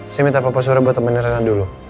saya minta papa surya bertemani reina dulu